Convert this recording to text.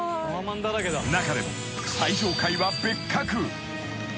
［中でも最上階は別格］